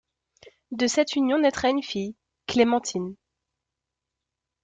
De cette union naîtra une fille, Clémentine.